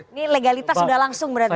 ini legalitas sudah langsung berarti ya